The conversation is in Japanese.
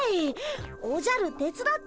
おじゃる手伝って。